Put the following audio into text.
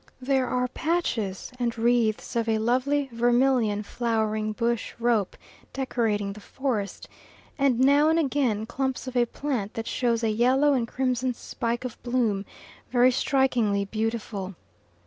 There are patches and wreaths of a lovely, vermilion flowering bush rope decorating the forest, and now and again clumps of a plant that shows a yellow and crimson spike of bloom, very strikingly beautiful.